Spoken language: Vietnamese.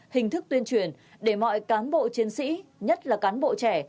hình thức tuyên truyền để mọi cán bộ chiến sĩ nhất là cán bộ trẻ